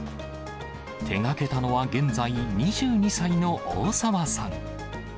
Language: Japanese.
手がけたのは現在２２歳の大澤さん。